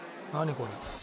これ。